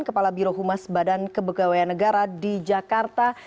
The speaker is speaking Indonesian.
kepala birohumas badan kepegawaian negara di jakarta